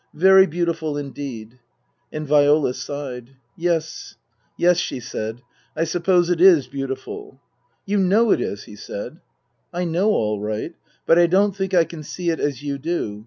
Very beautiful indeed." And Viola sighed. " Yes. Yes," she said. " I suppose it is beautiful." " You know it is," he said. " I know all right. But I don't think I can see it as you do.